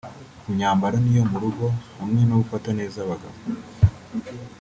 ku myambaro n’iyo mu rugo hamwe no gufata neza abagabo